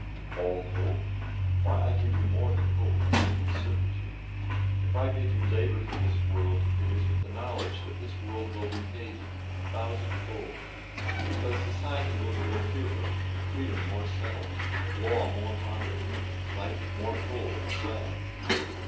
'All hope'? Why, I give you more than hope, I give you certainty; if I bid you labour for this world, it is with the knowledge that this world will repay you a, thousand fold, because society will grow purer, freedom more settled, law more honoured, life more full and glad.